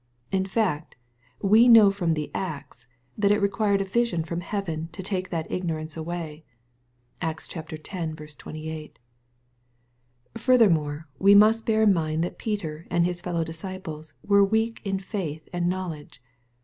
In fact, we know from the Acts, that it required a vision from heaven to take that ignorance away. (Acts X. 28.) Furthermore we must bear in mind that Peter and his fellow disciples were weak in faith and knowledge.